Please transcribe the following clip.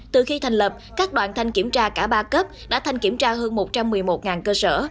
từ khi thành lập các đoàn thanh kiểm tra cả ba cấp đã thanh kiểm tra hơn một trăm một mươi một cơ sở